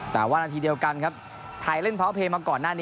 แต่ว่านาทีเดียวกันครับไทยเล่นเพาะเพย์มาก่อนหน้านี้